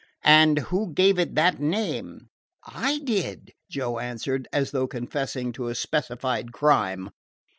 "And who gave it that name?" "I did," Joe answered, as though confessing to a specified crime.